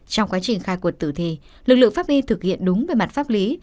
trong quá trình khai quật tử thi lực lượng pháp y thực hiện đúng về mặt pháp lý